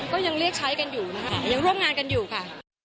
ก็ยังเรียกใช้กันอยู่นะคะยังร่วมงานกันอยู่ค่ะ